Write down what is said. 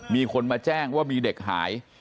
มีคนมาแจ้งว่ามีเด็กหาย